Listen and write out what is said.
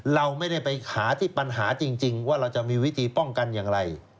เราไม่ได้ไปหาที่ปัญหาจริงว่าเราจะมีวิธีป้องกันอย่างไร